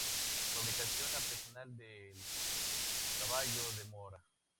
Fabricación artesanal del caballo de Mora.